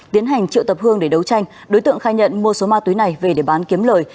tiến hành triệu tập hương để đấu tranh đối tượng khai nhận mua số ma túy này về để bán kiếm lời